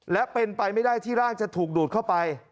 และเป็นไปไม่ได้ที่ร่างจะถูกดูดเข้าไป